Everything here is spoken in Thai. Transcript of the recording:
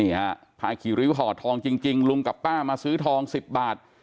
นี่ฮะภาคีรุยวิธอทองจริงจริงลุงกับป้ามาซื้อทองสิบบาท